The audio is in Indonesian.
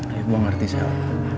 ya gue gak ngerti sel